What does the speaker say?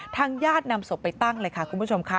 ทางญาตินำศพไปตั้งเลยค่ะคุณผู้ชมค่ะ